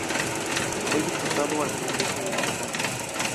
Fue diputado al Congreso de Yucatán.